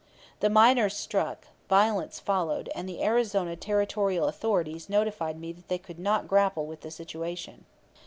The miners struck, violence followed, and the Arizona Territorial authorities notified me they could not grapple with the situation.